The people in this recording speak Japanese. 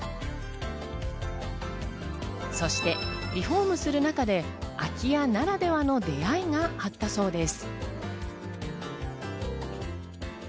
そしてリフォームする中で空き家ならではの出会いがあったそうです。